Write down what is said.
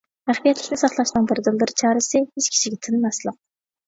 مەخپىيەتلىكنى ساقلاشنىڭ بىردىن بىر چارىسى، ھېچ كىشىگە تىنماسلىق.